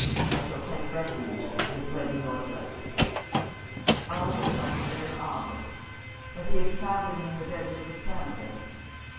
I shall take refuge with Lady Northlake. "Oh, if I could go to Ovid! But he is travelling in the deserts of Canada.